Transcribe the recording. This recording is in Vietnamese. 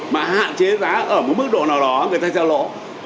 mà hạn chế giá ở một mức độ nào đó người ta giao lỗ